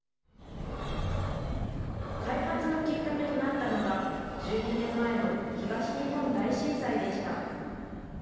開発のきっかけとなったのが、１２年前の東日本大震災でした。